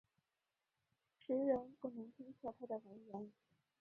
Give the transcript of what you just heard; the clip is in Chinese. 时人不能推测他的为人。